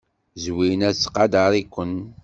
Zwina tettqadar-iken.